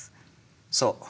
そう。